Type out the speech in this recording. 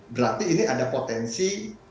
berarti ini ada potensi